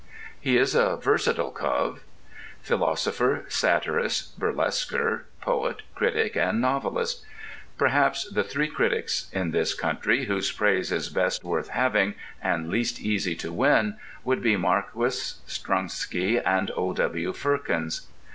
He is a versatile cove. Philosopher, satirist, burlesquer, poet, critic, and novelist. Perhaps the three critics in this country whose praise is best worth having, and least easy to win, would be Marquis, Strunsky, and O.W. Firkins.